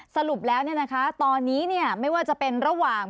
สรุปแล้วตอนนี้ไม่ว่าจะเป็นระหว่าง